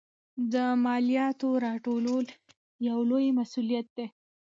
د مالیاتو راټولول یو لوی مسوولیت دی.